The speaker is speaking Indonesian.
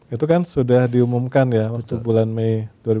itu kan sudah diumumkan ya untuk bulan mei dua ribu dua puluh